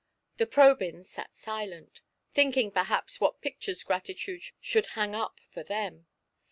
The Probyns sat silent, thinking, perhaps, what pictures Gratitude should hang up for them.